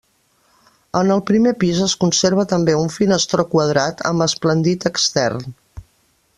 En el primer pis es conserva també un finestró quadrat amb esplandit extern.